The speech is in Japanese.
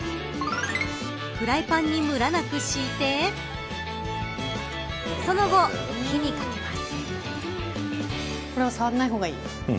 フライパンにむらなく敷いてその後、火にかけます。